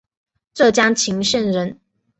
浙江鄞县人。